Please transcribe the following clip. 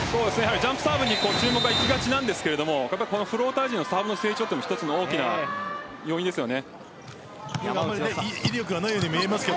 ジャンプサーブに注目がいきがちなんですがフローター陣のサーブの成長も大きな要因ですよね。